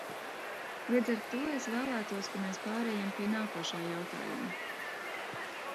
Līdz ar to es vēlētos, ka mēs pārejam pie nākošā jautājuma.